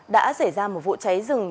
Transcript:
đã xảy ra một vụ cháy rừng